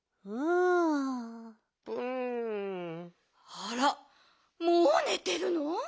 あらもうねてるの？